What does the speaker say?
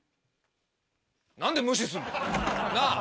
何で無視すんの？なぁ。